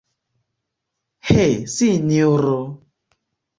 He, sinjoro!